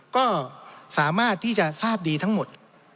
ก็สามารถที่จะทราบดีทั้งหมด